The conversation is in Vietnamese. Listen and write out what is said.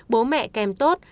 bố mẹ kèm tốt